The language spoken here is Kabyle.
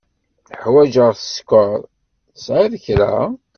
Ḥwaǧeɣ sskeṛ. Tesεiḍ kra?